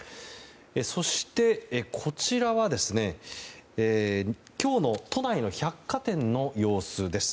そして、こちらは今日の都内の百貨店の様子です。